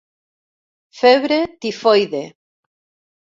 Febre Tifoide.